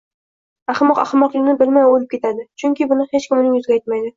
Ahmoq ahmoqligini bilmay o`lib ketadi, chunki buni hech kim uning yuziga aytmaydi